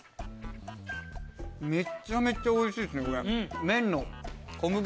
めっちゃめちゃおいしいっすね。